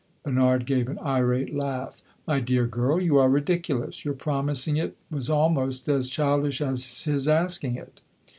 Bernard gave an irate laugh. "My dear girl, you are ridiculous! Your promising it was almost as childish as his asking it."